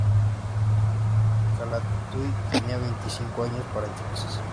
Calatayud tenía veinticinco años para entonces.